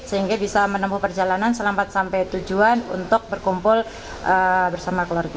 sehingga bisa menempuh perjalanan selamat sampai tujuan untuk berkumpul bersama keluarga